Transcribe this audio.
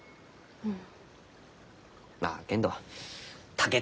うん？